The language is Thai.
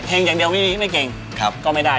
แห่งอย่างเดียวไม่เก่งก็ไม่ได้